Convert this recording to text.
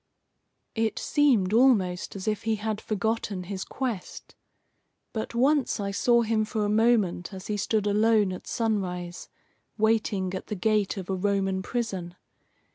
It seemed almost as if he had forgotten his quest. But once I saw him for a moment as he stood alone at sunrise, waiting at the gate of a Roman prison.